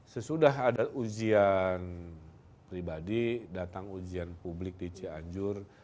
sesudah ada ujian pribadi datang ujian publik di cianjur